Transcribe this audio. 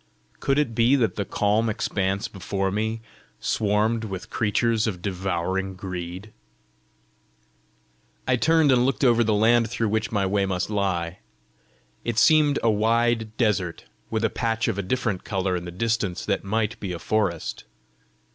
Could it be that the calm expanse before me swarmed with creatures of devouring greed? I turned and looked over the land through which my way must lie. It seemed a wide desert, with a patch of a different colour in the distance that might be a forest.